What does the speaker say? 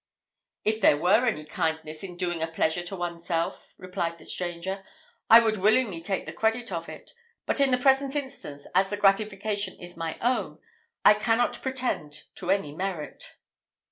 "If there were any kindness in doing a pleasure to oneself," replied the stranger, "I would willingly take the credit of it; but in the present instance, as the gratification is my own, I cannot pretend to any merit."